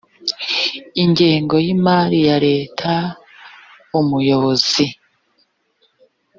ingengo y imari ya leta umuyobozi